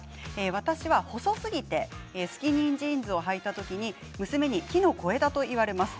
私は細すぎてスキニージーンズをはいたときに娘に木の小枝と言われます。